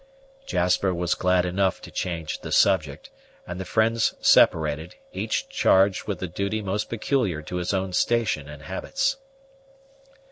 Jasper was glad enough to change the subject, and the friends separated, each charged with the duty most peculiar to his own station and habits.